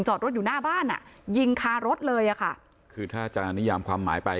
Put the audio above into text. จอดรถอยู่หน้าบ้านอ่ะยิงคารถเลยอ่ะค่ะคือถ้าจะนิยามความหมายไป